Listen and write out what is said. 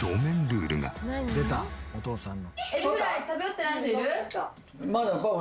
出たお父さんの。